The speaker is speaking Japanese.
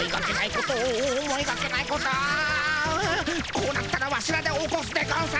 こうなったらワシらで起こすでゴンス。